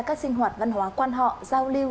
các sinh hoạt văn hóa quan họ giao lưu